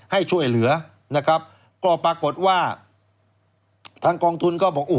ให้ช่วยเหลือนะครับก็ปรากฏว่าทางกองทุนก็บอก